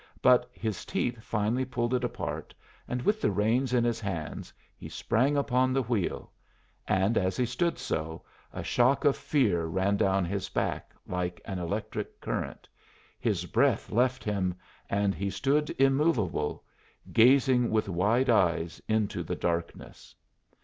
But his teeth finally pulled it apart, and with the reins in his hands he sprang upon the wheel. And as he stood so, a shock of fear ran down his back like an electric current, his breath left him, and he stood immovable, gazing with wide eyes into the darkness.